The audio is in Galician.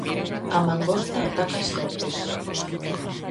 A mangosta ataca as serpes.